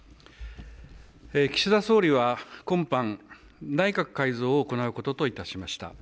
岸田総理は今般、内閣改造を行うことといたしました。